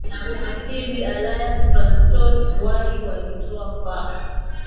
pili alliance francois wali walitoa fa